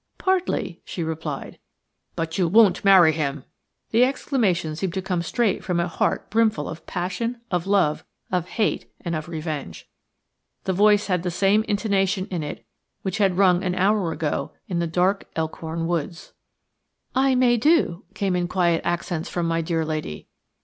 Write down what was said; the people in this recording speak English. "Partly," she replied. "But you won't marry him!" The exclamation seemed to come straight from a heart brimful of passion, of love, of hate, and of revenge. The voice had the same intonation in it which had rung an hour ago in the dark Elkhorn woods. "I may do," came in quiet accents from my dear lady.